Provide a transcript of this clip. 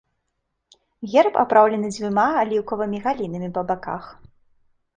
Герб апраўлены дзвюма аліўкавымі галінамі па баках.